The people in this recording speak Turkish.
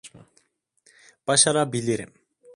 Başarabilirim.